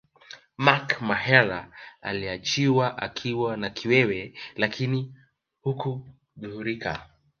Mark Mahela aliachiwa akiwa na kiwewe lakini hakudhurika